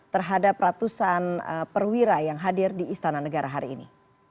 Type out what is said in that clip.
terhadap ratusan perwira yang hadir di istana negara hari ini